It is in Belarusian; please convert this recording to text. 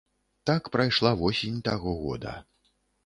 Так прайшла восень таго года.